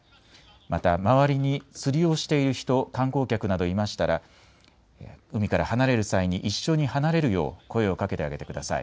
また周りに釣りをしている人、観光客などいましたら海から離れる際に一緒に離れるよう声をかけてあげてください。